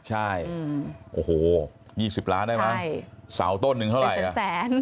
ใช่โอ้โห๒๐ล้านได้ไหมสาวต้นนึงเท่าไหร่เป็นแสน